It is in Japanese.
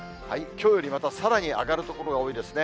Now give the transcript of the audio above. きょうよりまたさらに上がる所が多いですね。